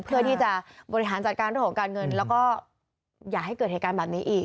เพื่อที่จะบริหารจัดการเรื่องของการเงินแล้วก็อย่าให้เกิดเหตุการณ์แบบนี้อีก